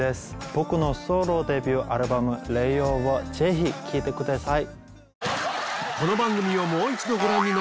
僕のソロデビューアルバムぜひ聴いてください。